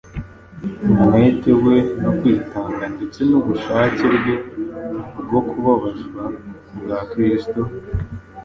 Umwete we no kwitanga ndetse n’ubushake bwe bwo kubabazwa ku bwa Kristo,